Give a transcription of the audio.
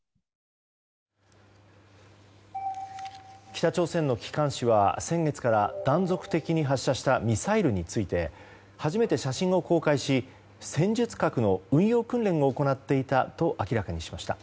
北朝鮮の機関紙は先月から断続的に発射したミサイルについて初めて写真を公開し戦術核の運用訓練を行っていたと明らかにしました。